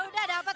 ya udah dapet